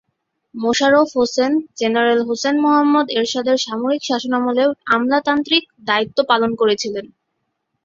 Mosharraf Hossain general Hussain Muhammad এরশাদের সামরিক শাসনামলে আমলাতান্ত্রিক দায়িত্ব পালন করেছিলেন।